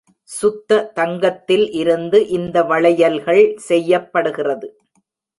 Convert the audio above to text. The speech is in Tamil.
சுத்த தங்கத்தில் இருந்து இந்த வளையல்கள் செய்யப்படுகிறது.